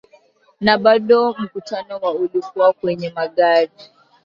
na bado mkutano wa ulikuwa kwenye magari